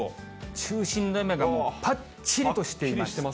中心の目がぱっちりとしています。